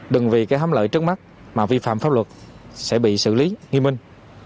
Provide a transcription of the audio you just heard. đừng vì cái hấm lợi trước mắt mà vi phạm pháp luật sẽ bị xử lý nghi minh